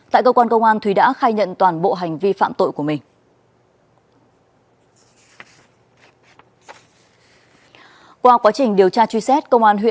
tại cơ quan công an thúy đã khai nhận toàn bộ hành vi phạm tội của mình